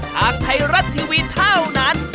ทางไทยรัฐทีวีเท่านั้น